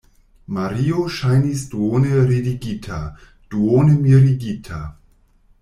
Mario ŝajnis duone ridigita, duone mirigita.